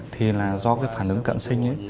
thì là do phản ứng cận sinh